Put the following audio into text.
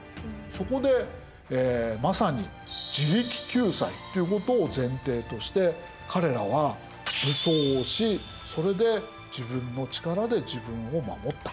そこでまさに自力救済ということを前提として彼らは武装をしそれで自分の力で自分を守った。